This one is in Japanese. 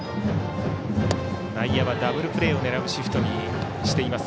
内野はダブルプレーを狙うシフトにしています